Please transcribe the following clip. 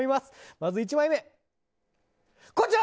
まず１枚目、こちら！